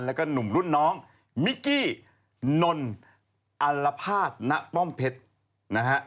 แล้วก็หนุ่มรุ่นน้องมิกกี้นนอัลภาษณป้อมเพชรนะฮะ